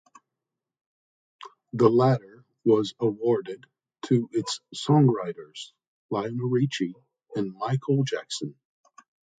The latter was awarded to its songwriters, Lionel Richie and Michael Jackson.